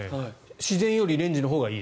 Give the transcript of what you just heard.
自然よりレンジのほうがいい？